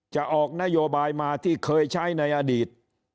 จะออกนโยบายมาที่เคยใช้ในอดีต